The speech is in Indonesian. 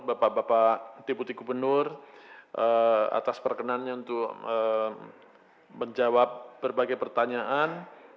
bapak bapak deputi gubernur atas perkenannya untuk menjawab berbagai pertanyaan